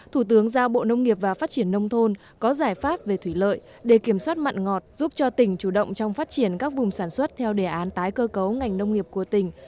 thủ tướng giao bộ nông nghiệp và phát triển nông thôn có giải pháp về thủy lợi để kiểm soát mặn ngọt giúp cho tỉnh chủ động trong phát triển các vùng sản xuất theo đề án tái cơ cấu ngành nông nghiệp của tỉnh